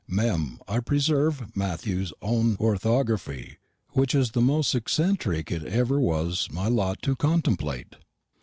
Mem. I preserve Matthew's own orthography, which is the most eccentric it was ever my lot to contemplate.